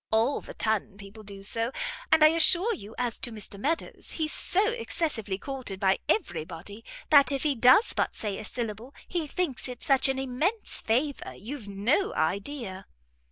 All the ton people do so, and I assure you as to Mr Meadows, he's so excessively courted by every body, that if he does but say a syllable, he thinks it such an immense favour, you've no idea."